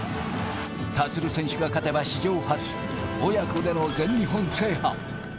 立選手が勝てば史上初、親子での全日本制覇。